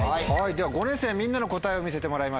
では５年生みんなの答えを見せてもらいましょう。